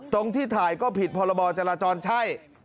ตรงที่ถ่ายก็ผิดพรบจราจรใช่